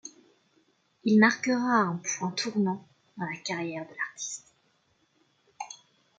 Il marquera un point tournant dans la carrière de l’artiste.